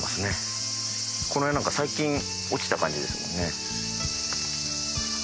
この辺なんか最近落ちた感じですもんね。